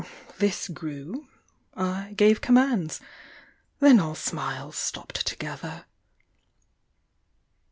This grew; I gave commands; Then all smiles stopped together.